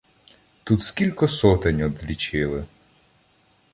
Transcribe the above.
Тут скілько сотень одлічили